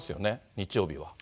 日曜日は。